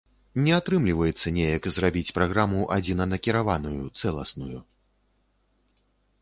Не атрымліваецца неяк зрабіць праграму адзінанакіраваную, цэласную.